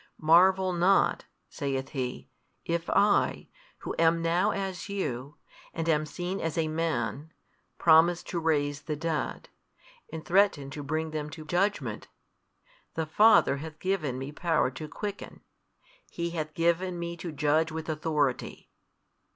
Marvel not (saith He) if I, Who am now as you, and am seen as a Man, promise to raise the dead, and threaten to bring them to judgement: the Father hath given Me Power to quicken, He hath given Me to judge with authority.